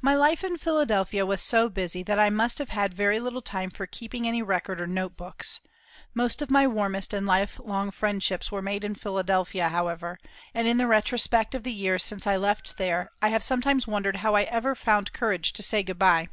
My life in Philadelphia was so busy that I must have had very little time for keeping any record or note books. Most of my warmest and life long friendships were made in Philadelphia, however, and in the retrospect of the years since I left there I have sometimes wondered how I ever found courage to say good bye.